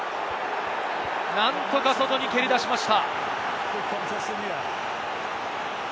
何とか外に蹴り出しました。